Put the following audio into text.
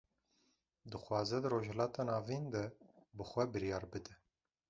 Dixwaze di Rojhilata Navîn de, bi xwe biryar bide